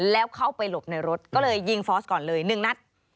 แล้วเข้าไปหลบในรถก็เลยยิงฟอสก่อนเลย๑นัด